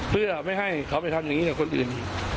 เพื่อไม่ให้เขาไปทำอย่างนี้กับคนอื่น